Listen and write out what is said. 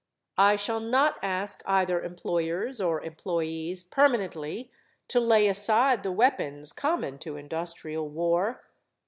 I shall not ask either employers or employees permanently to lay aside the weapons common to industrial war.